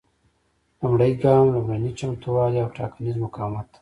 لومړی ګام لومړني چمتووالي او ټاکنیز مقاومت دی.